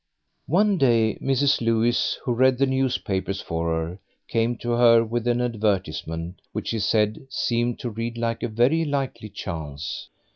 One day Mrs. Lewis, who read the newspapers for her, came to her with an advertisement which she said seemed to read like a very likely chance.